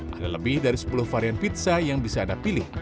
ada lebih dari sepuluh varian pizza yang bisa anda pilih